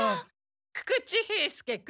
久々知兵助君。